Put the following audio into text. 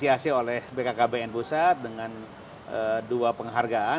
tapi alhamdulillah kami diapresiasi oleh bkkbn pusat dengan dua penghargaan